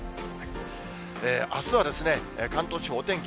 あすは関東地方、お天気